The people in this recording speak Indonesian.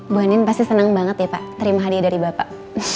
bu anin pasti senang banget ya pak terima hadiah dari bapak